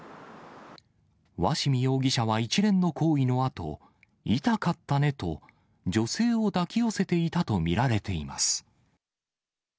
鷲見容疑者は一連の行為のあと、痛かったねと、女性を抱き寄せていたと見られています。